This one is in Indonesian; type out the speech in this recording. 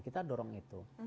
kita dorong itu